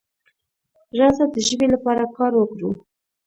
راځه د ژبې لپاره کار وکړو.